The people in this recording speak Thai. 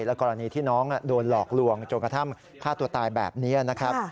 และกรณีที่น้องโดนหลอกลวงจนกระทั่งฆ่าตัวตายแบบนี้นะครับ